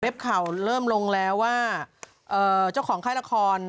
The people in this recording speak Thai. ข่าวเริ่มลงแล้วว่าเจ้าของค่ายละคร